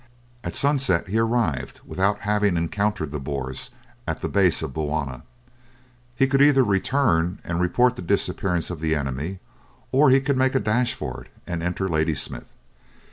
At sunset he arrived, without having encountered the Boers, at the base of Bulwana. He could either return and report the disappearance of the enemy or he could make a dash for it and enter Ladysmith.